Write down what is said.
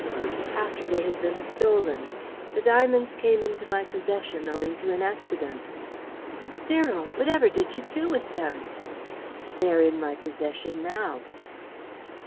"After they had been stolen. The diamonds came into my possession owing to an accident." "Cyril! Whatever did you do with them?" "They are in my possession now."